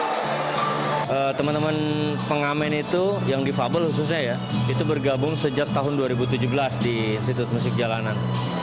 karena teman teman pengamen itu yang difabel khususnya ya itu bergabung sejak tahun dua ribu tujuh belas di institut musik jalanan